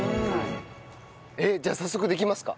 じゃあ早速できますか？